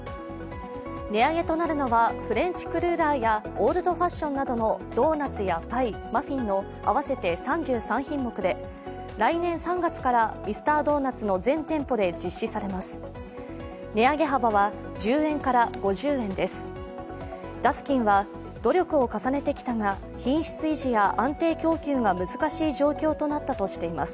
値上げとなるのはフレンチクルーラーやオールドファッションなどのドーナツやパイ、マフィンの合わせて３３品目で来年３月からミスタードーナツの全店舗で実施されます。